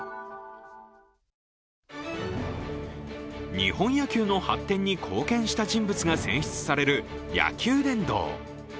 日本野球の発展に貢献した人物が選出される野球殿堂。